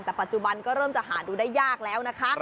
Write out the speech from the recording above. แต่ปัจจุบันก็เริ่มจะหาดูได้ยากแล้วนะคะ